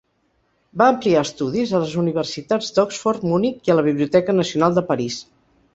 Va ampliar estudis a les universitats d'Oxford, Munic i a la Biblioteca Nacional de París.